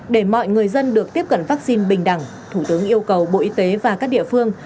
để mọi người dân được tiếp cận vaccine bình đẳng thủ tướng yêu cầu bộ y tế và các địa phương